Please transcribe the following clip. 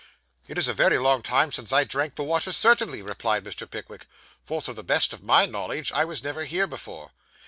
'It is a very long time since I drank the waters, certainly,' replied Mr. Pickwick; 'for, to the best of my knowledge, I was never here before.